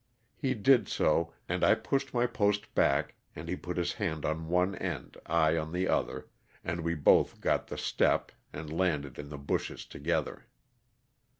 He did so, and I pushed my post back and he put his hand on one end, I on the other, and we both got the *^step" and landed in the bushes together.